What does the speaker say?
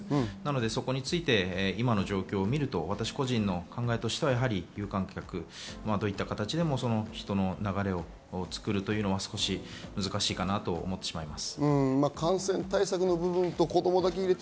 そこについて今の状況を見ると、私個人の考えとしては、どういった形でも人の流れを作るというのは少し難しいかなと思います。